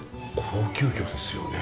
高級魚ですよね。